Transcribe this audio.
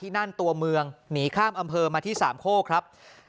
นั่นตัวเมืองหนีข้ามอำเภอมาที่สามโคกครับ